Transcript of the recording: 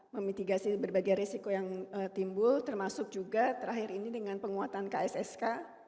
memitigasi berbagai risiko yang timbul termasuk juga terakhir ini dengan penguatan kssk